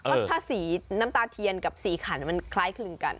เพราะถ้าสีน้ำตาเทียนกับสีขันมันคล้ายคลึงกัน